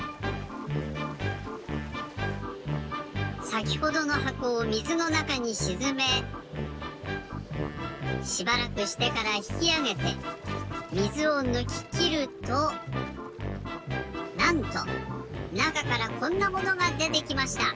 さきほどのはこをみずのなかにしずめしばらくしてからひきあげてみずをぬききるとなんとなかからこんなものがでてきました！